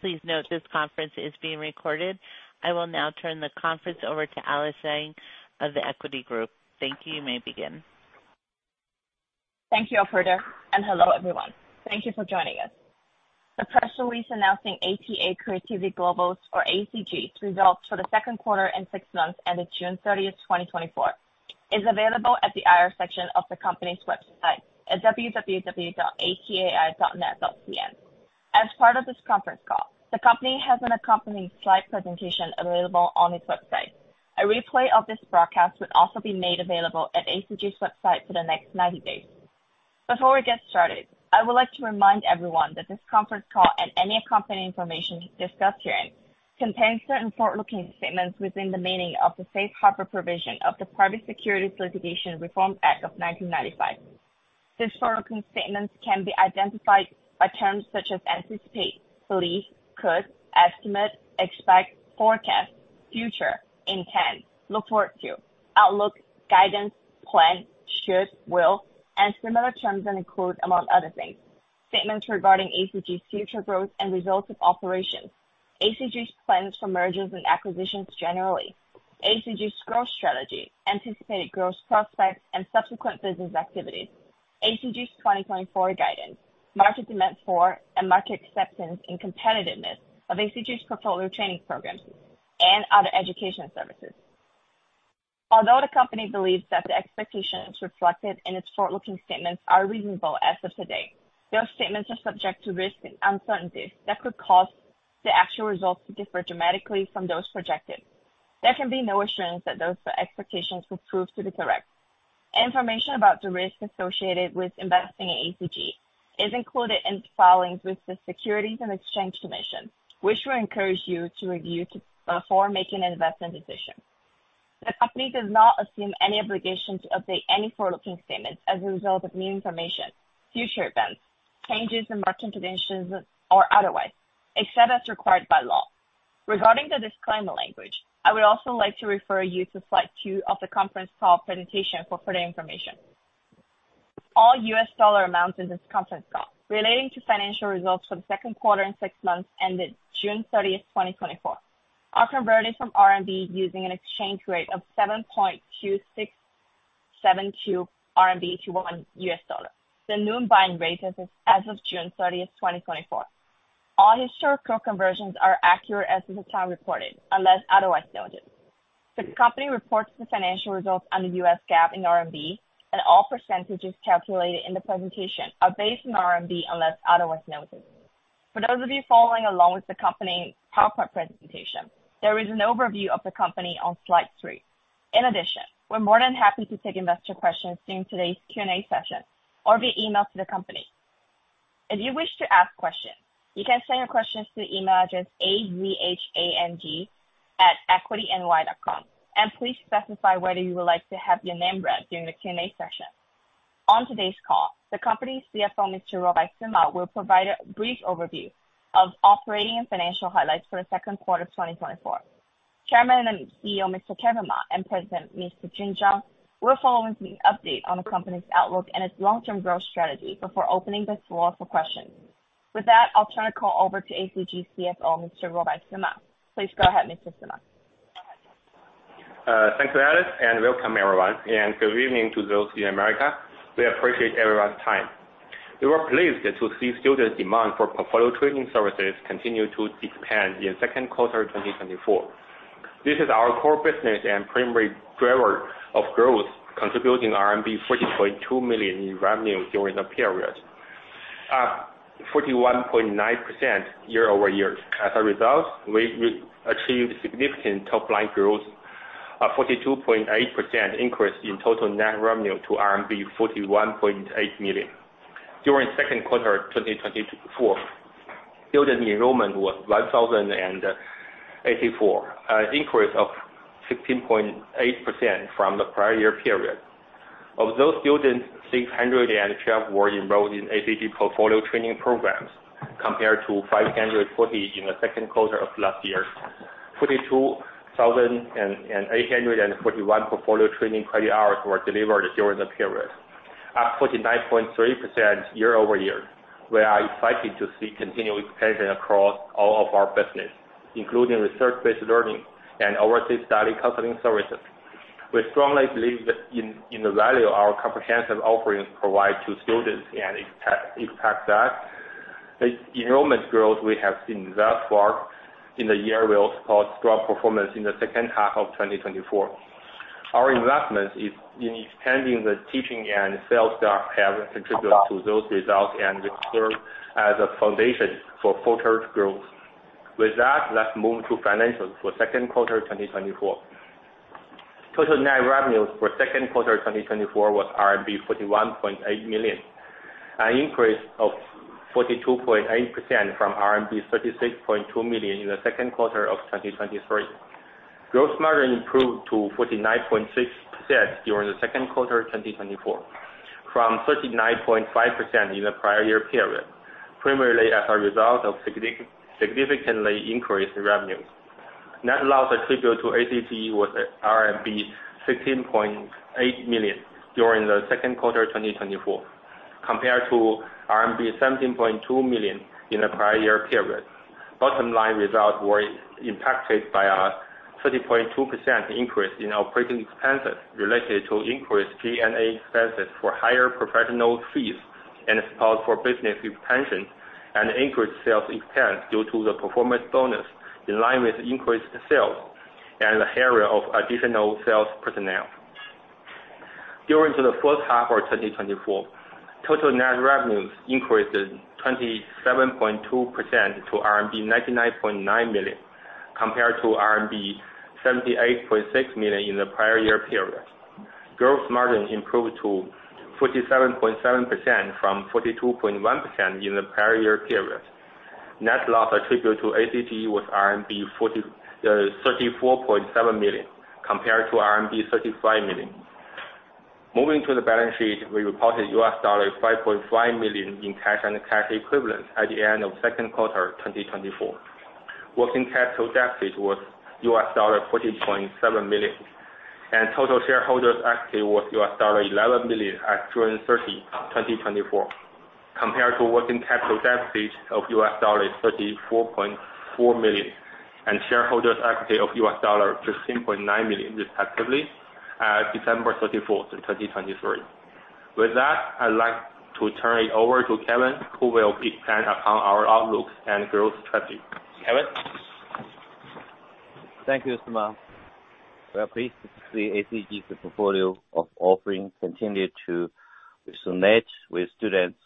Please note this conference is being recorded. I will now turn the conference over to Alice Zhang of The Equity Group. Thank you. You may begin. Thank you, Operator, and hello, everyone. Thank you for joining us. The press release announcing ATA Creativity Global's, or ACG, results for the second quarter and six months ended June 30, 2024, is available at the IR section of the company's website at www.atai.net.cn. As part of this conference call, the company has an accompanying slide presentation available on its website. A replay of this broadcast will also be made available at ACG's website for the next 90 days. Before we get started, I would like to remind everyone that this conference call and any accompanying information discussed herein contains certain forward-looking statements within the meaning of the Safe Harbor provision of the Private Securities Litigation Reform Act of 1995. These forward-looking statements can be identified by terms such as: anticipate, believe, could, estimate, expect, forecast, future, intend, look forward to, outlook, guidance, plan, should, will, and similar terms, and include, among other things, statements regarding ACG's future growth and results of operations, ACG's plans for mergers and acquisitions generally, ACG's growth strategy, anticipated growth prospects and subsequent business activities, ACG's 2024 guidance, market demand for and market acceptance and competitiveness of ACG's portfolio training programs and other education services. Although the company believes that the expectations reflected in its forward-looking statements are reasonable as of today, those statements are subject to risks and uncertainties that could cause the actual results to differ dramatically from those projected. There can be no assurance that those expectations will prove to be correct. Information about the risks associated with investing in ACG is included in the filings with the Securities and Exchange Commission, which we encourage you to review before making an investment decision. The company does not assume any obligation to update any forward-looking statements as a result of new information, future events, changes in market conditions, or otherwise, except as required by law. Regarding the disclaimer language, I would also like to refer you to slide 2 of the conference call presentation for further information. All U.S. dollar amounts in this conference call relating to financial results for the second quarter and six months ended June 30, 2024, are converted from RMB using an exchange rate of 7.2672 RMB to $1, the noon buying rate as of June 30, 2024. All historical conversions are accurate as of the time reported, unless otherwise noted. The company reports the financial results on the U.S. GAAP in RMB, and all percentages calculated in the presentation are based on RMB, unless otherwise noted. For those of you following along with the company PowerPoint presentation, there is an overview of the company on slide 3. In addition, we're more than happy to take investor questions during today's Q&A session or via email to the company. If you wish to ask questions, you can send your questions to the email address, azhang@equityny.com, and please specify whether you would like to have your name read during the Q&A session. On today's call, the company's CFO, Mr. Ruobai Sima, will provide a brief overview of operating and financial highlights for the second quarter of 2024. Chairman and CEO, Mr. Kevin Ma, and President, Mr. Jun Zhang will follow with an update on the company's outlook and its long-term growth strategy before opening the floor for questions. With that, I'll turn the call over to ACG's CFO, Mr. Ruobai Sima. Please go ahead, Mr. Sima. Thanks, Alice, and welcome, everyone, and good evening to those in America. We appreciate everyone's time. We were pleased to see student demand for portfolio training services continue to expand in second quarter 2024. This is our core business and primary driver of growth, contributing RMB 40.2 million in revenue during the period, up 41.9% year-over-year. As a result, we achieved significant top-line growth, a 42.8% increase in total net revenue to RMB 41.8 million. During second quarter 2024, student enrollment was 1,084, an increase of 16.8% from the prior year period. Of those students, 612 were enrolled in ACG portfolio training programs, compared to 540 in the second quarter of last year. 42,841 portfolio training credit hours were delivered during the period, up 49.3% year over year. We are excited to see continued expansion across all of our business, including research-based learning and overseas study counseling services. We strongly believe in the value our comprehensive offerings provide to students and expect that the enrollment growth we have seen thus far in the year will support strong performance in the second half of 2024. Our investments in expanding the teaching and sales staff have contributed to those results and will serve as a foundation for further growth. With that, let's move to financials for second quarter 2024. Total net revenues for second quarter 2024 was RMB 41.8 million, an increase of 42.8% from RMB 36.2 million in the second quarter of 2023. Gross margin improved to 49.6% during the second quarter of 2024, from 39.5% in the prior year period, primarily as a result of significantly increased revenues. Net loss attributable to ACG was RMB 16.8 million during the second quarter 2024, compared to RMB 17.2 million in the prior year period. Bottom line results were impacted by a 30.2% increase in operating expenses related to increased G&A expenses for higher professional fees and support for business expansion, and increased sales expense due to the performance bonus, in line with increased sales and the hiring of additional sales personnel. During the first half of 2024, total net revenues increased 27.2% to RMB 99.9 million, compared to RMB 78.6 million in the prior year period. Gross margin improved to 47.7% from 42.1% in the prior year period. Net loss attributed to ACG was RMB 34.7 million, compared to RMB 35 million. Moving to the balance sheet, we reported $5.5 million in cash and cash equivalents at the end of second quarter 2024. Working capital deficit was $40.7 million, and total shareholders' equity was $11 million at June 30, 2024, compared to working capital deficit of $34.4 million, and shareholders' equity of $13.9 million, respectively, at December 31, 2023. With that, I'd like to turn it over to Kevin, who will expand upon our outlook and growth strategy. Kevin? Thank you, Simon. We are pleased to see ACG's portfolio of offerings continued to resonate with students,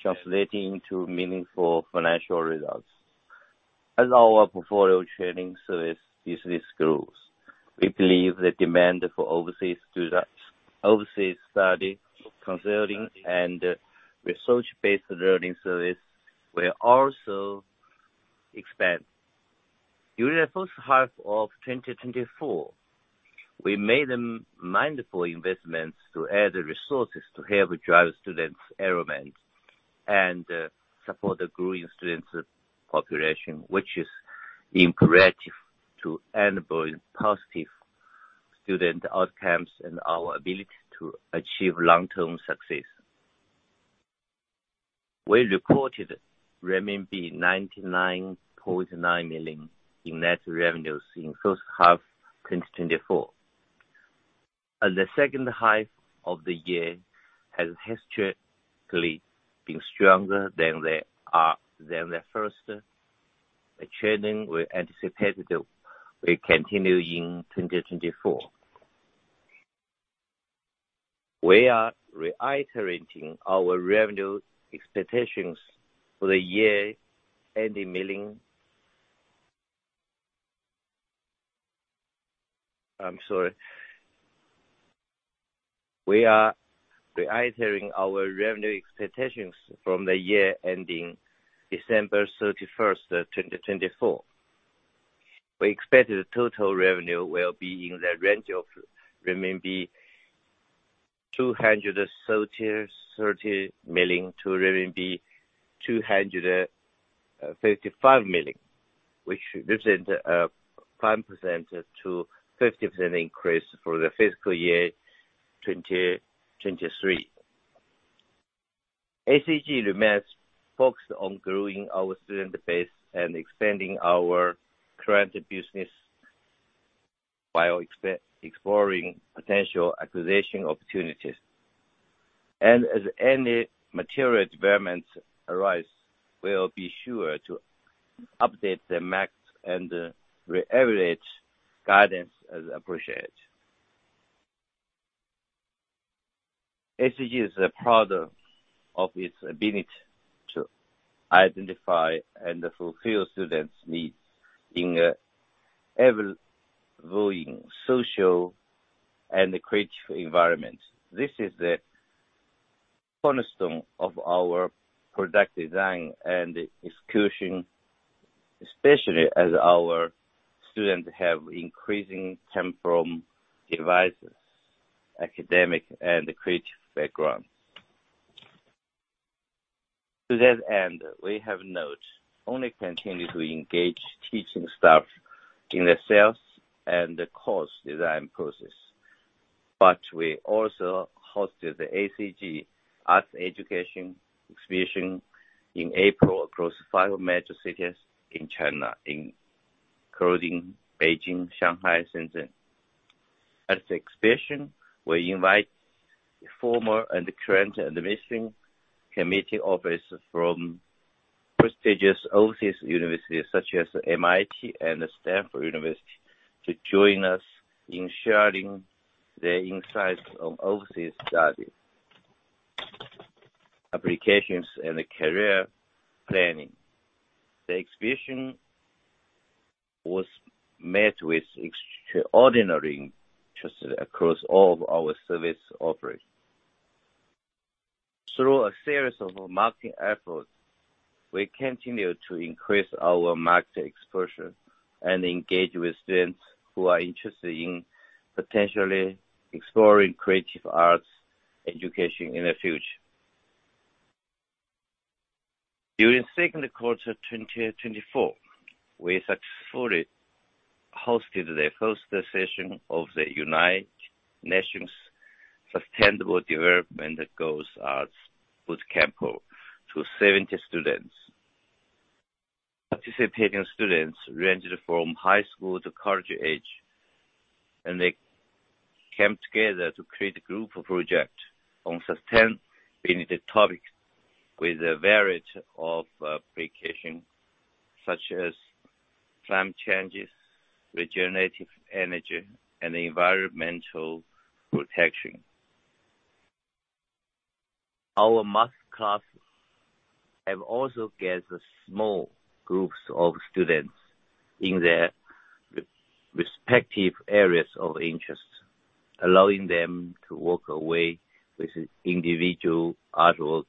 translating into meaningful financial results. As our portfolio training service business grows, we believe the demand for overseas students, overseas study, consulting, and research-based learning service will also expand. During the first half of 2024, we made mindful investments to add resources to help drive students enrollment and support the growing students population, which is imperative to enabling positive student outcomes and our ability to achieve long-term success. We recorded renminbi 99.9 million in net revenues in first half 2024. The second half of the year has historically been stronger than the first. A trend we anticipate will continue in 2024. We are reiterating our revenue expectations for the year ending million... I'm sorry. We are reiterating our revenue expectations for the year ending December 31, 2024. We expect the total revenue will be in the range of 230 million-235 million renminbi, which represents a 5%-50% increase for the fiscal year 2023. ACG remains focused on growing our student base and expanding our current business by exploring potential acquisition opportunities. As any material developments arise, we'll be sure to update the market and the investor guidance as appropriate. ACG is a product of its ability to identify and fulfill students' needs in an ever-growing social and creative environment. This is the cornerstone of our product design and execution, especially as our students have increasing time from devices, academic and creative background. To that end, we have not only continued to engage teaching staff in the sales and the course design process, but we also hosted the ACG Art Education Exhibition in April across five major cities in China, including Beijing, Shanghai, Shenzhen. At the exhibition, we invite former and current admission committee officers from prestigious overseas universities, such as MIT and Stanford University, to join us in sharing their insights on overseas studies, applications, and career planning. The exhibition was met with extraordinary interest across all of our service offerings. Through a series of marketing efforts, we continue to increase our market exposure and engage with students who are interested in potentially exploring creative arts education in the future. ...During second quarter 2024, we successfully hosted the first session of the United Nations Sustainable Development Goals Arts Bootcamp to 70 students. Participating students ranged from high school to college age, and they came together to create a group project on sustainability topics with a variety of facets, such as climate change, renewable energy, and environmental protection. Our master class have also gathered small groups of students in their respective areas of interest, allowing them to walk away with individual artworks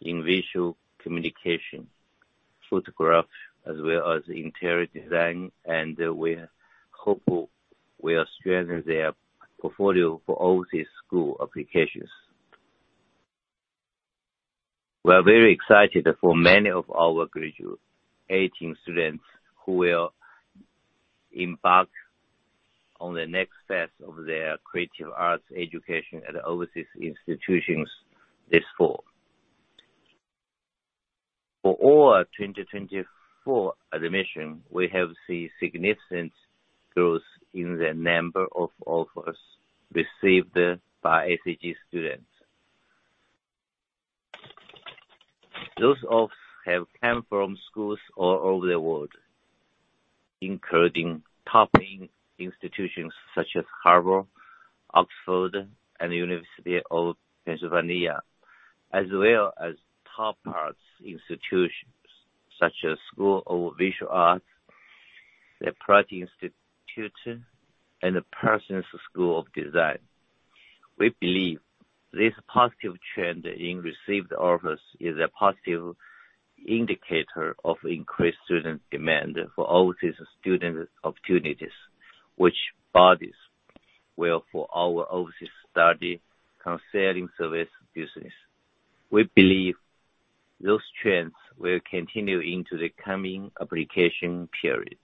in visual communication, photography, as well as interior design, and we're hopeful will strengthen their portfolio for overseas school applications. We are very excited for many of our graduating 18 students, who will embark on the next phase of their creative arts education at overseas institutions this fall. For all our 2024 admission, we have seen significant growth in the number of offers received by ACG students. Those offers have come from schools all over the world, including top institutions such as Harvard, Oxford, and the University of Pennsylvania, as well as top arts institutions such as School of Visual Arts, the Pratt Institute, and the Parsons School of Design. We believe this positive trend in received offers is a positive indicator of increased student demand for overseas student opportunities, which bodes well for our overseas study counseling service business. We believe those trends will continue into the coming application period.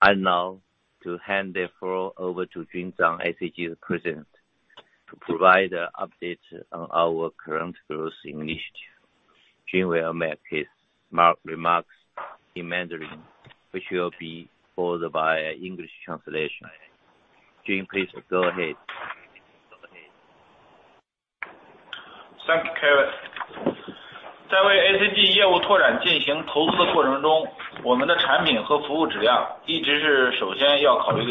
I'd like now to hand the floor over to Jun Zhang, ACG's President, to provide an update on our current growth initiative. Jun will make his remarks in Mandarin, which will be followed by an English translation. Jun, please go ahead. Thank you, Kevin. 在为ACG业务扩展进行投资的过程中，我们的产品和服务质量一直 是首要要考虑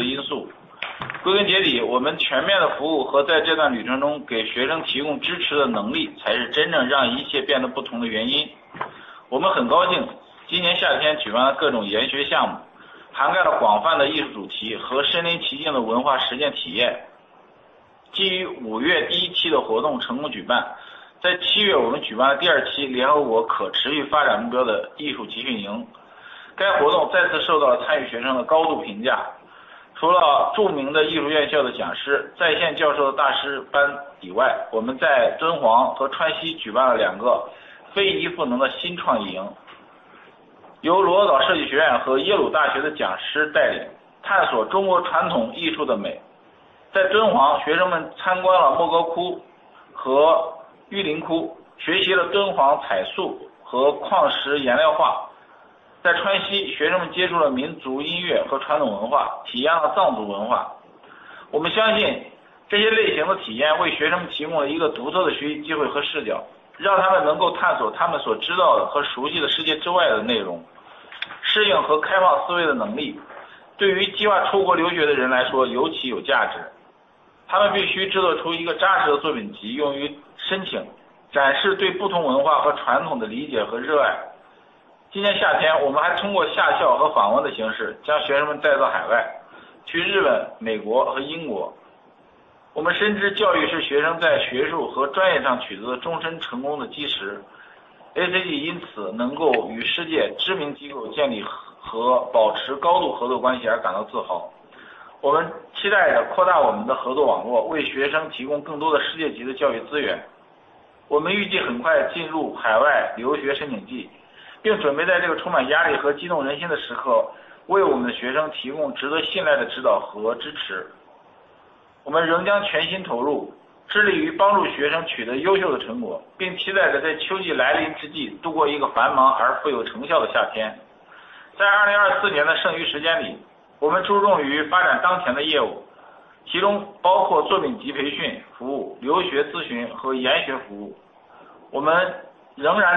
Thank you,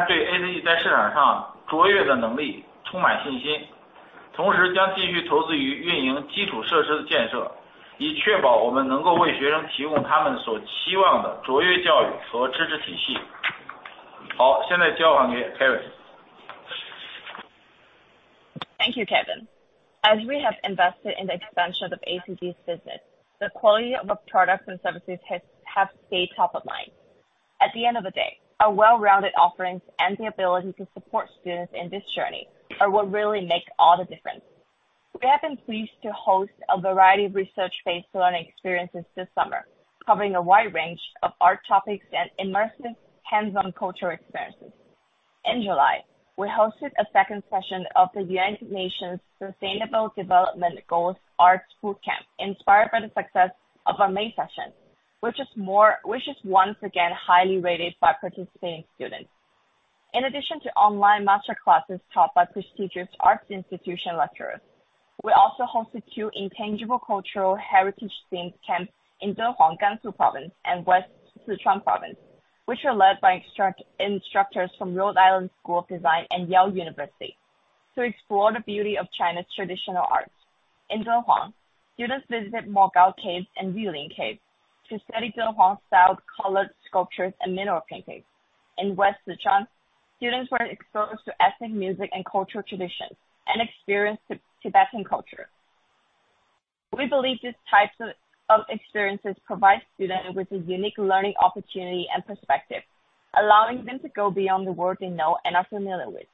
Kevin. As we have invested in the expansion of ACG's business, the quality of our products and services has stayed top of mind. At the end of the day, our well-rounded offerings and the ability to support students in this journey are what really make all the difference.... We have been pleased to host a variety of research-based learning experiences this summer, covering a wide range of art topics and immersive hands-on cultural experiences. In July, we hosted a second session of the United Nations Sustainable Development Goals Arts Bootcamp, inspired by the success of our May session, which is once again highly rated by participating students. In addition to online master classes taught by prestigious arts institution lecturers, we also hosted two intangible cultural heritage-themed camps in Dunhuang, Gansu Province, and West Sichuan Province, which were led by instructors from Rhode Island School of Design and Yale University to explore the beauty of China's traditional arts. In Dunhuang, students visited Mogao Caves and Yulin Cave to study Dunhuang-style colored sculptures and mineral paintings. In West Sichuan, students were exposed to ethnic music and cultural traditions and experienced Tibetan culture. We believe these types of experiences provide students with a unique learning opportunity and perspective, allowing them to go beyond the world they know and are familiar with.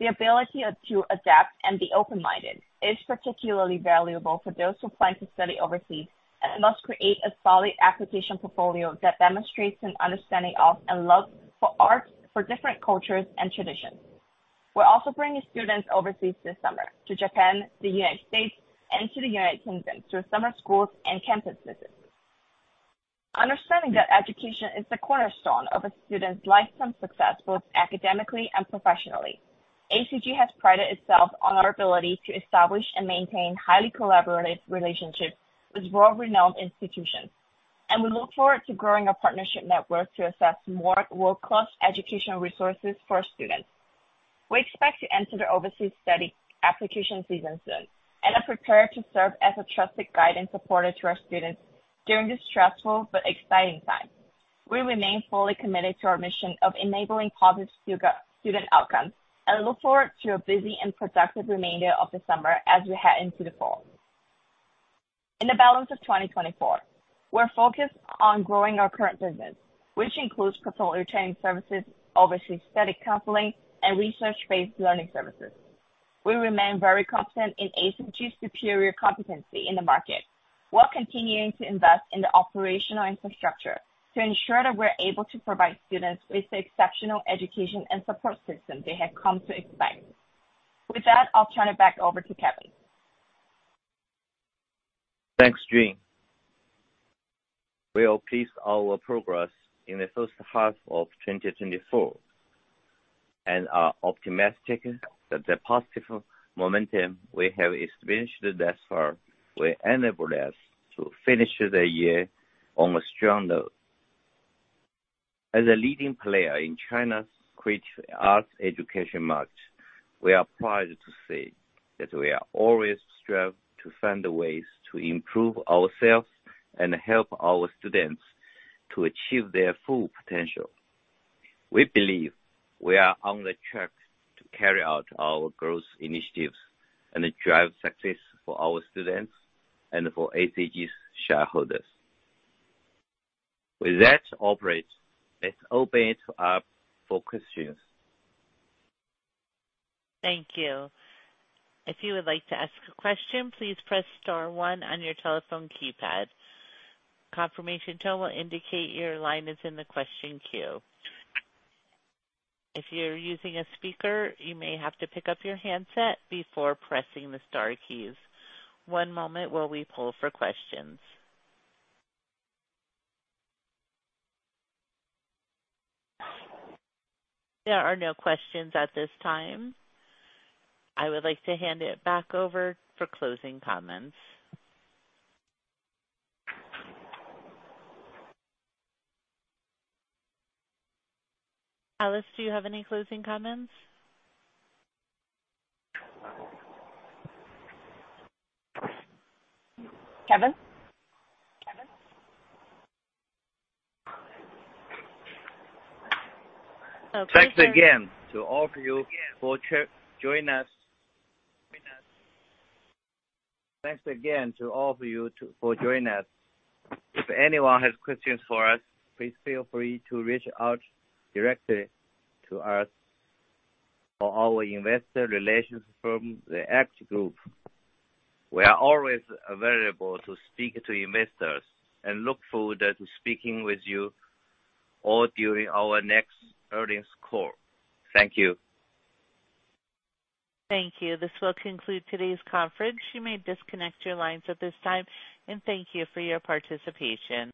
The ability to adapt and be open-minded is particularly valuable for those who plan to study overseas, and must create a solid application portfolio that demonstrates an understanding of and love for arts, for different cultures and traditions. We're also bringing students overseas this summer to Japan, the United States, and to the United Kingdom through summer schools and campus visits. Understanding that education is the cornerstone of a student's lifetime success, both academically and professionally, ACG has prided itself on our ability to establish and maintain highly collaborative relationships with world-renowned institutions, and we look forward to growing our partnership network to access more world-class educational resources for our students. We expect to enter the overseas study application season soon and are prepared to serve as a trusted guide and supporter to our students during this stressful but exciting time. We remain fully committed to our mission of enabling positive student outcomes, and look forward to a busy and productive remainder of the summer as we head into the fall. In the balance of 2024, we're focused on growing our current business, which includes portfolio training services, overseas study counseling, and research-based learning services. We remain very confident in ACG's superior competency in the market, while continuing to invest in the operational infrastructure to ensure that we're able to provide students with the exceptional education and support system they have come to expect. With that, I'll turn it back over to Kevin. Thanks, Jun. We are pleased with our progress in the first half of 2024, and are optimistic that the positive momentum we have experienced thus far will enable us to finish the year on a strong note. As a leading player in China's creative arts education market, we are proud to say that we always strive to find ways to improve ourselves and help our students to achieve their full potential. We believe we are on the track to carry out our growth initiatives and drive success for our students and for ACG's shareholders. With that, operator, let's open it up for questions. Thank you. If you would like to ask a question, please press star one on your telephone keypad. Confirmation tone will indicate your line is in the question queue. If you're using a speaker, you may have to pick up your handset before pressing the star keys. One moment while we poll for questions. There are no questions at this time. I would like to hand it back over for closing comments. Alice, do you have any closing comments? Kevin? Kevin? Thanks again to all of you for joining us. If anyone has questions for us, please feel free to reach out directly to us or our investor relations firm, The Equity Group. We are always available to speak to investors and look forward to speaking with you all during our next earnings call. Thank you. Thank you. This will conclude today's conference. You may disconnect your lines at this time, and thank you for your participation.